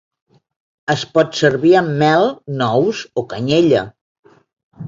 Es pot servir amb mel, nous o canyella.